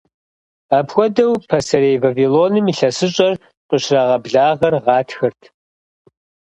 Апхуэдэу, Пасэрей Вавилоным ИлъэсыщӀэр къыщрагъэблагъэр гъатхэрт.